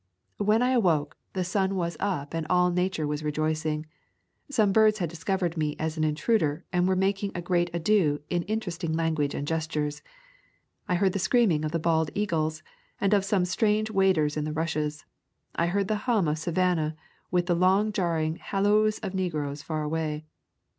When I awoke, the sun was up and all Na ture was rejoicing. Some birds had discovered me as an intruder, and were making a great ado in interesting language and gestures. I heard the screaming of the bald eagles, and of some strange waders in the rushes. I heard the hum of Savannah with the long jarring hallos of negroes far away.